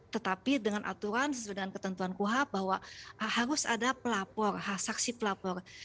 tetapi dengan aturan sesuai dengan ketentuan kuhap bahwa harus ada pelapor saksi pelapor